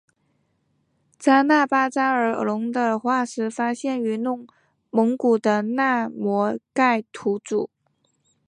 扎纳巴扎尔龙的化石发现于蒙古的纳摩盖吐组。